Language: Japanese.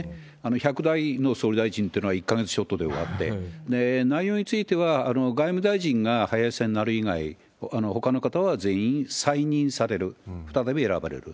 １００代の総理大臣ってのは１か月ちょっとで終わって、内容については外務大臣が林さんになる以外、ほかの方は全員再任される、再び選ばれる。